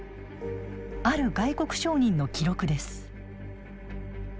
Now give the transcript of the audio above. ある外国商人の記録です。